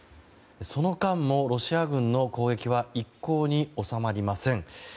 その間もロシア軍の攻撃は一向に収まりません。